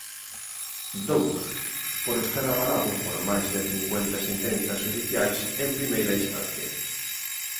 Dous, por estar avalado por máis de cincuenta sentenzas xudiciais en primeira instancia.